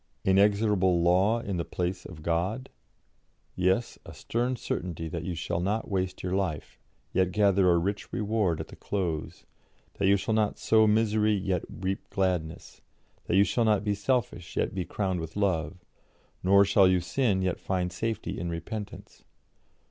'Inexorable law in the place of God'? Yes; a stern certainty that you shall not waste your life, yet gather a rich reward at the close; that you shall not sow misery, yet reap gladness; that you shall not be selfish, yet be crowned with love; nor shall you sin, yet find safety in repentance.